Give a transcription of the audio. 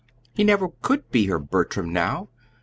He never could be her Bertram now.